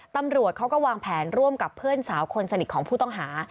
ตำรวจเขาก็วางแผนร่วมกับเพื่อนสาวคนสนิทของผู้ต้องหา